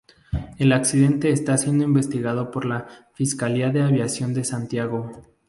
El accidente está siendo investigado por la Fiscalía de Aviación de Santiago.